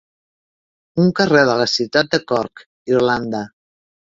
Un carrer de la ciutat de Cork, Irlanda.